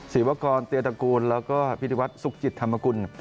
ศวกรเตียตระกูลแล้วก็พิธีวัฒนสุขจิตธรรมกุล